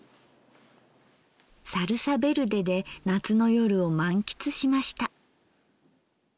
サルサベルデで夏の夜を満喫しました。